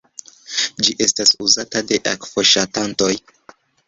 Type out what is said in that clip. Ĝi estas uzata de akvoŝatantoj.